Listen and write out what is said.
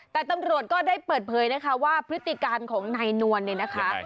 แต่ตำรวจก็ได้เปิดเผยนะคะว่าพฤติการของนายนวลเนี่ยนะคะ